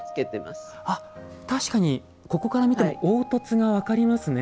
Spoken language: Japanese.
確かにここから見ても凹凸が分かりますね。